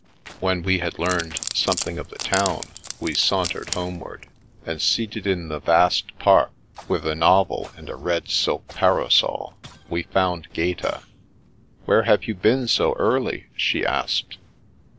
When we had learned something of the town we sauntered homeward; and seated in the Rank Tyranny 223 vaste pare with a navel and a red silk parasol, we found Gaeti " Where have you been so early? " she asked.